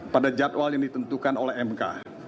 pada jadwal yang ditentukan oleh mk